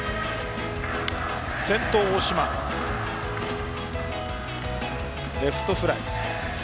先頭、大島はレフトフライ。